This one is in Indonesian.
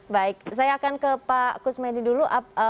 baik saya akan ke pak kusmedi dulu